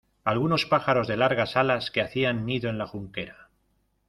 algunos pájaros de largas alas, que hacían nido en la junquera